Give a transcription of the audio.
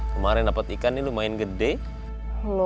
kemaren dapet ikan ini lumayan yang diajakin ya